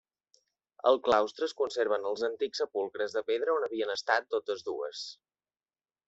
Al claustre es conserven els antics sepulcres de pedra on havien estat totes dues.